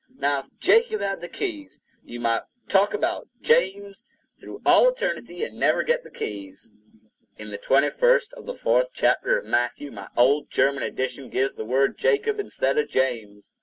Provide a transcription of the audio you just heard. Now, if Jacob had the keys, you might talk about James through all eternity and never get the keys. In the 21st of the fourth chapter of Matthew, my old German edition gives the word Jacob instead of James.